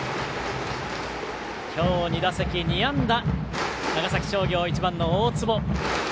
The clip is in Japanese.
今日、２打席２安打長崎商業１番の大坪。